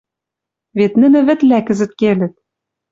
Вет нӹнӹ вӹдлӓ кӹзӹт келӹт.